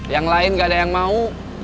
yang lain gak ada yang mau